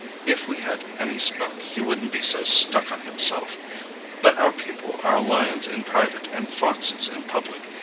If we had any spunk he wouldn't be so stuck on himself. But our people are lions in private and foxes in public.